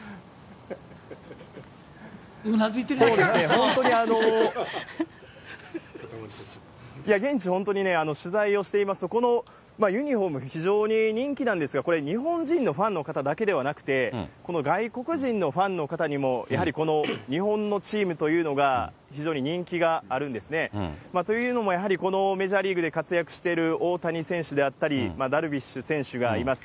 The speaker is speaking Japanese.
そうですね、本当に、いや、現地、本当にね、取材をしていますと、ユニホーム、非常に人気なんですが、これ、日本人のファンの方だけではなくて、外国人のファンの方にもやはりこの日本のチームというのが非常に人気があるんですね。というのもやはり、このメジャーリーグで活躍している大谷選手であったり、ダルビッシュ選手がいます。